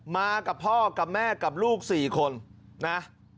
มากับพ่อกับแม่กับลูก๔คนนะ